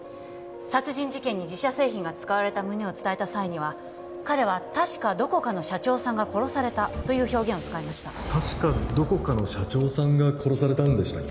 殺人事件に自社製品が使われた旨を伝えた際には彼は「確かどこかの社長さんが殺された」という表現を使いました確かどこかの社長さんが殺されたんでしたっけ？